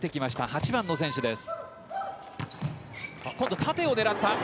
８番の選手です。